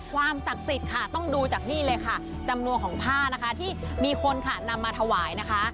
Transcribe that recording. ความศักดิ์สิทธิ์ค่ะต้องดูจากนี่เลยค่ะจำนวนของผ้านะคะที่มีคนค่ะนำมาถวายนะคะ